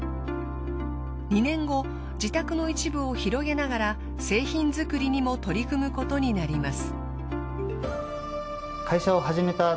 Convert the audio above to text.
２年後自宅の一部を広げながら製品作りにも取り組むことになります。